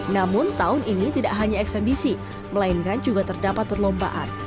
namun tahun ini tidak hanya eksembisi melainkan juga terdapat perlombaan